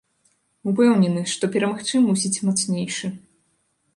Упэўнены, што перамагчы мусіць мацнейшы.